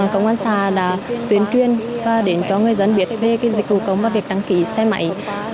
công an xã đã tuyên truyền và đến cho người dân biết về dịch vụ công và việc đăng ký xe máy